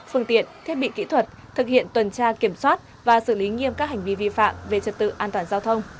phương tiện thiết bị kỹ thuật thực hiện tuần tra kiểm soát và xử lý nghiêm các hành vi vi phạm về trật tự an toàn giao thông